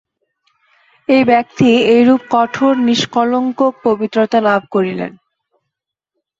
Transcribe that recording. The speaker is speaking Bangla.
এই ব্যক্তি এইরূপ কঠোর নিষ্কলঙ্ক পবিত্রতা লাভ করিলেন।